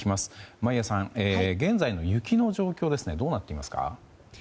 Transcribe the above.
眞家さん、現在の雪の状況どうなっていますか？